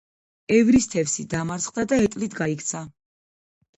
ევრისთევსი დამარცხდა და ეტლით გაიქცა.